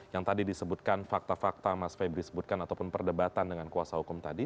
yang tadi disebutkan fakta fakta mas febri sebutkan ataupun perdebatan dengan kuasa hukum tadi